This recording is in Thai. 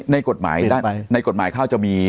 ในกฎหมายข้าวจะมี